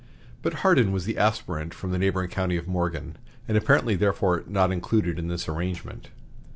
But Hardin was the aspirant from the neighboring county of Morgan, and apparently therefore not included in this arrangement.